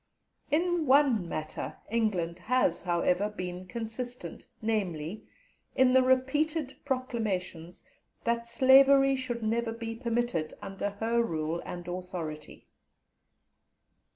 In one matter, England has, however, been consistent, namely, in the repeated proclamations that Slavery should never be permitted under her rule and authority.